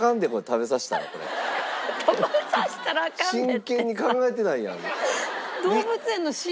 真剣に考えてないやん。